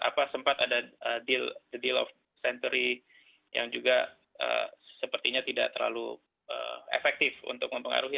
apa sempat ada deal of century yang juga sepertinya tidak terlalu efektif untuk mempengaruhi